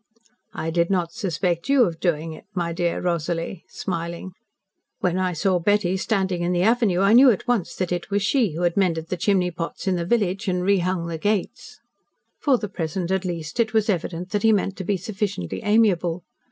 "I did not suspect you of doing it, my dear Rosalie," smiling. "When I saw Betty standing in the avenue, I knew at once that it was she who had mended the chimney pots in the village and rehung the gates." For the present, at least, it was evident that he meant to be sufficiently amiable.